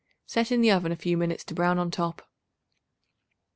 Set in the oven a few minutes to brown on top.